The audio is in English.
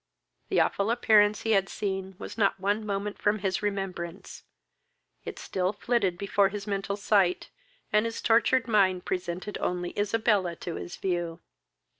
The awful appearance he had seen was not one moment from his remembrance: it still flitted before his mental sight, and his tortured mind presented only Isabella to his view.